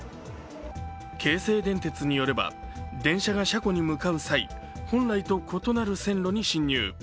京成電鉄によれば、電車が車庫に向かう際、本来と異なる線路に進入。